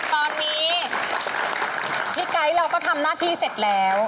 ตอนนี้พี่ไก๊เราก็ทำหน้าที่เสร็จแล้ว